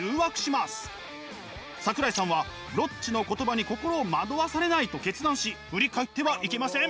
桜井さんは「ロッチの言葉に心を惑わされない」と決断し振り返ってはいけません。